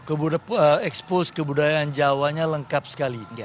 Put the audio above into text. ekspos kebudayaan jawanya lengkap sekali